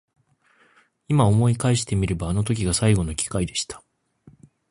今思い返してみればあの時が最後の機会でした。